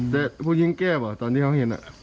แต่ผู้หญิงแก้ว่ะตอนที่เขาเห็น